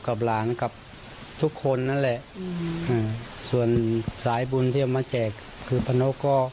กับหลานกับทุกคนนั้นแหละส่วนสายบุญนี่มันจะแจกคือพานุ้กก็